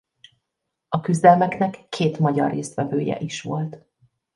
A küzdelmeknek két magyar résztvevője is volt.